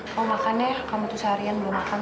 mau makan ya kamu tuh seharian belum makan